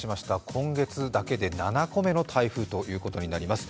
今月だけで７個目の台風ということになります。